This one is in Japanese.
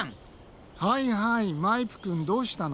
はいはいマイプくんどうしたの？